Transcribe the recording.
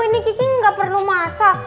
ini kiki nggak perlu masak